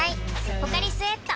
「ポカリスエット」